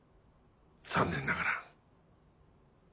残念ながら。